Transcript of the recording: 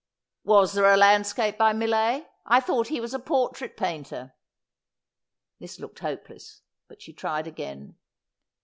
' Was there a landscape by Millais ? I thought he was a portrait painter.' This looked hopeless, but she tried again.